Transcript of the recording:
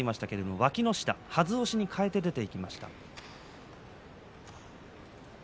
わきの下はずの押しにかえて出て行きました。